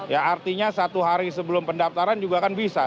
ya artinya satu hari sebelum pendaftaran juga kan bisa